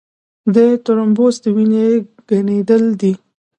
د ترومبوس د وینې ګڼېدل دي.